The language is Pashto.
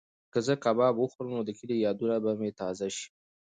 که زه کباب وخورم نو د کلي یادونه به مې تازه شي.